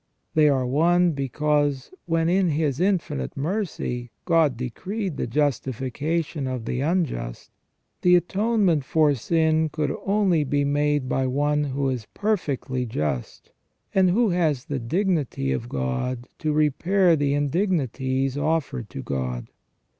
They are one, because when in His infinite mercy God decreed the justification of the unjust, the atonement for sin could only be made by one who is perfectly just, and who has the dignity of God to repair the indignities offered to God.